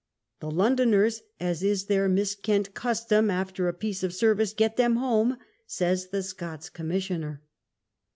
" The Londoners, as is their miskent custom, after a piece of service, get them home," says the Scots commissioner.